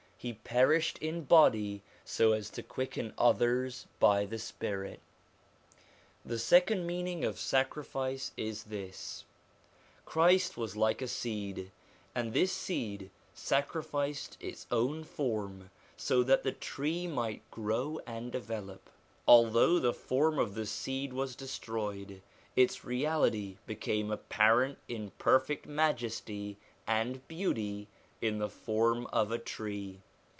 He perished in body, so as to quicken others by the spirit. The second meaning of sacrifice is this : Christ was like a seed, and this seed sacrificed its own form so that the tree might grow and develop. Although the form of the seed was destroyed, its reality became apparent in perfect majesty and beauty in the form of a tree.